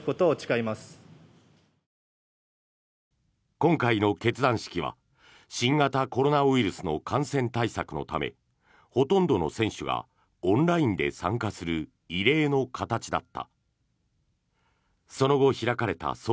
今回の結団式は新型コロナウイルスの感染対策のためほとんどの選手がオンラインで参加する異例の形だった。